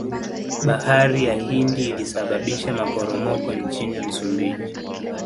bahari ya hindi ilisababisha maporomoko nchini msumbiji